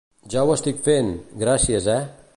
Ja ho estic fent, gracies eh.